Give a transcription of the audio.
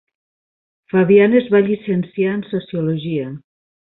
Fabian es va llicenciar en Sociologia.